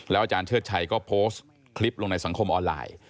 อาจารย์เชิดชัยก็โพสต์คลิปลงในสังคมออนไลน์